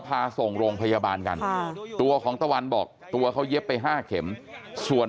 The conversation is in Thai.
พาส่งโรงพยาบาลกันตัวของตะวันบอกตัวเขาเย็บไป๕เข็มส่วน